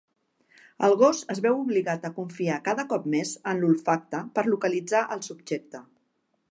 El gos es veu obligat a confiar cada cop més en l'olfacte per localitzar el subjecte.